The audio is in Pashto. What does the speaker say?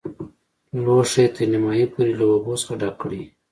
لوښی تر نیمايي پورې له اوبو څخه ډک کړئ.